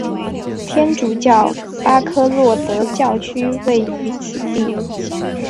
天主教巴科洛德教区位于此地。